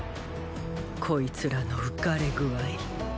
こいつらの浮かれ具合。